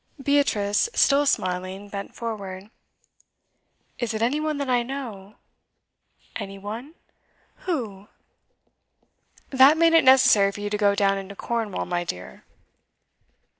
Beatrice, still smiling, bent forward. 'Is it any one that I know?' 'Any one ? Who ?' 'That made it necessary for you to go down into Cornwall, my dear.